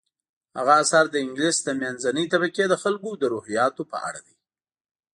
هغه اثر د انګلیس د منځنۍ طبقې د خلکو د روحیاتو په اړه دی.